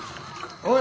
・おい